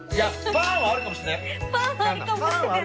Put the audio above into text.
パンはあるかもしれないから。